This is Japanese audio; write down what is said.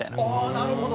なるほど。